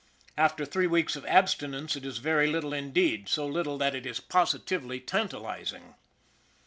After three weeks of abstinence it is very little indeed so little that it is positively tantalizing.